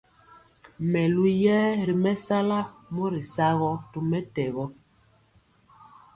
Melu yɛɛ ri mɛsala mɔri sagɔ tɔmɛtɛgɔ.